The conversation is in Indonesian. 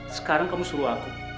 sekarang kamu suruh aku